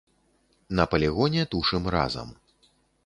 На палігоне тушым разам.